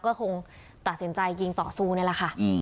ก็คงตัดสินใจยิงต่อสู้นี่แหละค่ะ